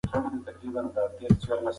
موږ په انټرنیټ کې د نړۍ نقشه لیدلی سو.